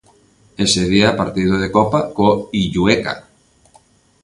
Ese día, partido de Copa co Illueca.